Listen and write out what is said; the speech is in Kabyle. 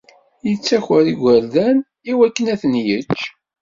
Ittaker igerdan i wakken ad ten-yečč.